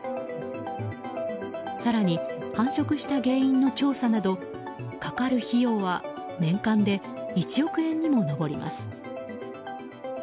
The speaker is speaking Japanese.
更に、繁殖した原因の調査などかかる費用は年間で１億円にも上ります。